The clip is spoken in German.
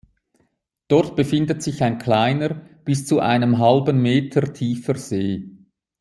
Dort befindet sich ein kleiner, bis zu einem halben Meter tiefer See.